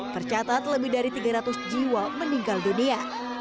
tercatat lebih dari tiga ratus jiwa meninggal dunia